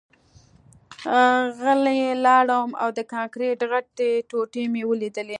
غلی لاړم او د کانکریټ غټې ټوټې مې ولیدې